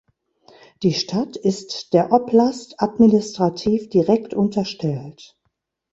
Die Stadt ist der Oblast administrativ direkt unterstellt.